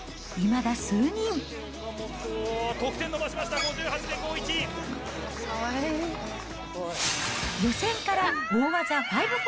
得点伸ばしました、５８．５１。